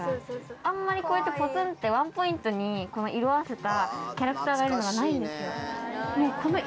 あんまりこうやってぽつんってワンポイントに色あせたキャラクターがいるのがないんですよ。